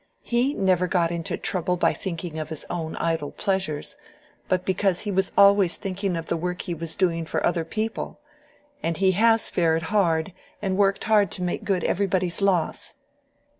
"He never got into trouble by thinking of his own idle pleasures, but because he was always thinking of the work he was doing for other people. And he has fared hard, and worked hard to make good everybody's loss."